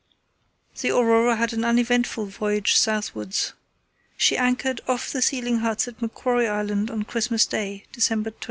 The Aurora had an uneventful voyage southwards. She anchored off the sealing huts at Macquarie Island on Christmas Day, December 25.